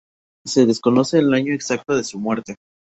Se desconoce el año exacto de su muerte.